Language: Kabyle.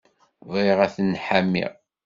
Bɣiɣ ad ten-ḥamiɣ.